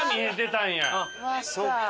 そっか。